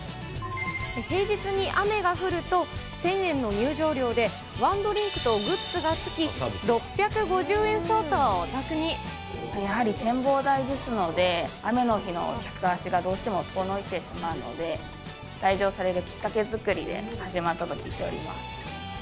平日に雨が降ると、１０００円の入場料でワンドリンクとグッズが付き、６５０円相当やはり展望台ですので、雨の日の客足がどうしても遠のいてしまうので、来場されるきっかけ作りで始まったと聞いております。